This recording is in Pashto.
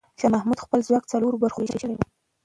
شاه محمود خپل ځواک څلور برخو ته وېشلی و.